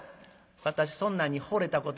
「私そんなんに惚れたことない。